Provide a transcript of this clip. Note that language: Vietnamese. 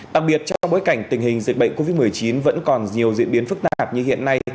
đặc biệt trong bối cảnh tình hình dịch bệnh covid một mươi chín vẫn còn nhiều diễn biến phức tạp như hiện nay